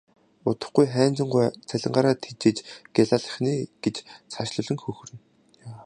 Удахгүй Хайнзан гуайг цалингаараа тэжээж гялайлгах нь ээ гэж цаашлуулан хөхөрнө.